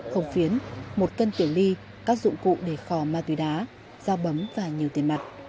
hồng phiến một cân tiểu ly các dụng cụ để khò ma túy đá dao bấm và nhiều tiền mặt